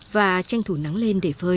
và tranh thủ nắng lên để phơi